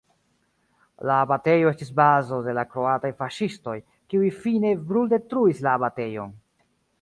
La abatejo estis bazo de la kroataj faŝistoj, kiuj fine bruldetruis la abatejon.